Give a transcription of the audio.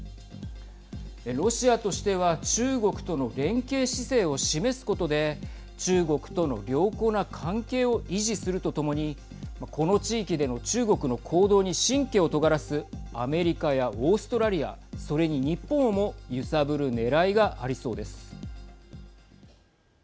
ロシアとしては中国との連携姿勢を示すことで中国との良好な関係を維持するとともにこの地域での中国の行動に神経をとがらすアメリカやオーストラリアそれに日本をも揺さぶるねらいがありそうです。